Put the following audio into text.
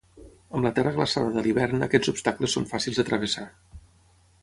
Amb la terra glaçada de l'hivern aquests obstacles són fàcils de travessar.